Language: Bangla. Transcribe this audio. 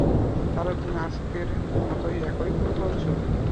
তাহলে তুমি অ্যাজাকের মতই একই ভুল করছো।